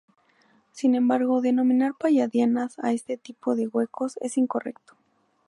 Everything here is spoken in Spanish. Sin embargo, denominar palladianas a este tipo de huecos es incorrecto.